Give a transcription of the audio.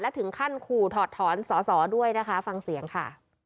ถึงขั้นขู่ถอดถอนสอสอด้วยนะคะฟังเสียงค่ะ